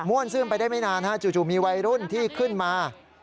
วนซื่อมไปได้ไม่นานจู่มีวัยรุ่นที่ขึ้นมา